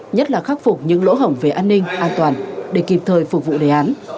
nhất là khắc phục những lỗ hổng về an ninh an toàn để kịp thời phục vụ đề án